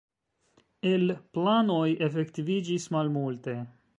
El planoj efektiviĝis malmulte.